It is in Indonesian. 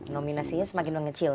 nominasinya semakin mengecil